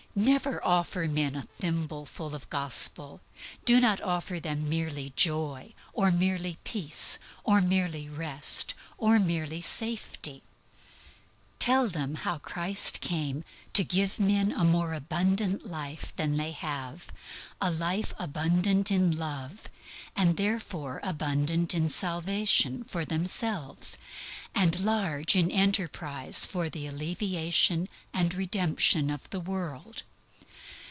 Never offer a man a thimbleful of Gospel. Do not offer them merely joy, or merely peace, or merely rest, or merely safety; tell them how Christ came to give men a more abundant life than they have, a life abundant in love, and therefore abundant in salvation for themselves, and large in enterprise for the alleviation and redemption of the world.